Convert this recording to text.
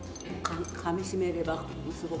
かみしめればすごく。